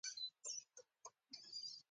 استاد د ښو اړیکو پل جوړوي.